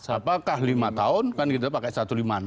apakah lima tahun kan kita pakai satu ratus lima puluh enam